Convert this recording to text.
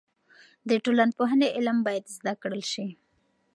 د ټولنپوهنې علم باید زده کړل سي.